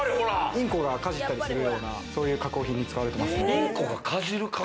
インコがかじったりするような加工品に使われてます。